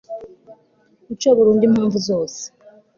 guca burundu impamvu zose